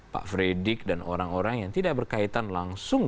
pak fredrik dan orang orang yang tidak berkaitan langsung